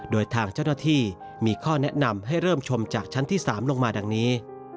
โดยทางเจ้าหน้าที่มีข้อแนะนำให้เริ่มชมจากชั้นที่๓ลงมาดังนี้